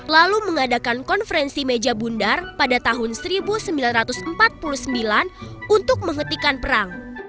lalu mengadakan konferensi meja bundar pada tahun seribu sembilan ratus empat puluh sembilan untuk menghentikan perang